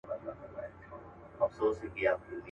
چي چاره د دې قاتل وکړي پخپله.